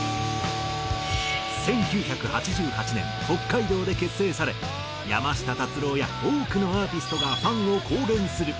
１９８８年北海道で結成され山下達郎や多くのアーティストがファンを公言するｅａｓｔｅｒｎｙｏｕｔｈ。